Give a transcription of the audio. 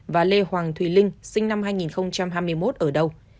và lê hoàng thùy linh sinh năm hai nghìn hai mươi một ở đâu